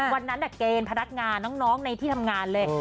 วันนั้นเกณฑ์พนักงานน้องในที่ทำงานเลย